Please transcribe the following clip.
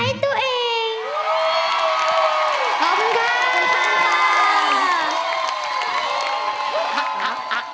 นั่นแบบสิบเปียน